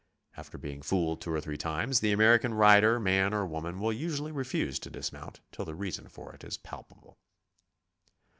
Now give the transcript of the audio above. After being .fooled two or three times, the American rider, man or woman, will usually refuse to dismount till the reason for it is palpable.